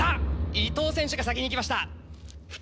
伊藤選手が先にいきました！